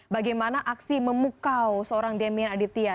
bagaimana aksi memukau seorang demian aditya